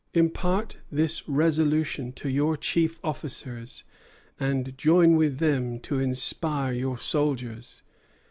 Impart this resolution to your chief officers, and join with them to inspire your soldiers with it.